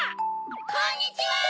こんにちは！